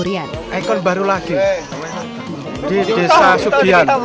ikon baru lagi di desa sugian